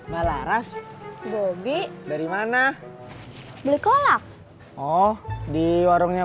cinta gue berdua